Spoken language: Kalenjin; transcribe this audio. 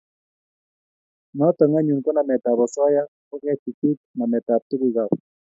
Noto anyun ko nametab osoya kechuchuch nametab tugukab